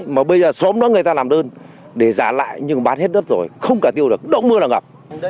mà bây giờ xóm đó người ta làm đơn để giả lại nhưng bán hết đất rồi không cả tiêu được đỡ mưa là ngập